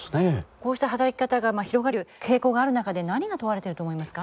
こうした働き方が広がる傾向がある中で何が問われてると思いますか？